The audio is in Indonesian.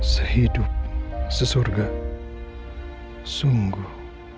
sehidup sesurga sungguh